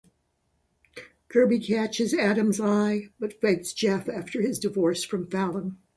Kirby catches Adam's eye but weds Jeff after his divorce from Fallon.